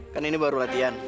kan ini baru latihan